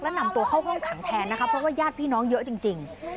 และนำตัวเข้าห้องขังแทนนะคะเพราะว่าญาติพี่น้องเยอะจริง